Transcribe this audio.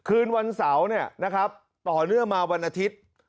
คืนวันเสาร์เนี่ยนะครับต่อเนื่องมาวันอาทิตย์